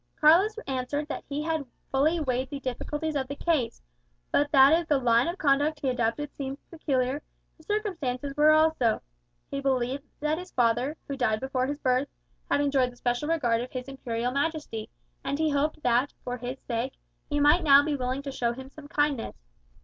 Carlos answered that he had fully weighed the difficulties of the case; but that if the line of conduct he adopted seemed peculiar, his circumstances were so also. He believed that his father (who died before his birth) had enjoyed the special regard of His Imperial Majesty, and he hoped that, for his sake, he might now be willing to show him some kindness.